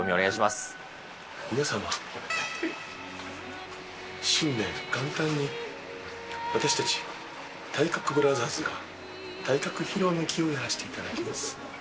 皆さま、新年元旦に私たち体格ブラザーズが体格披露の儀をやらせていただきます。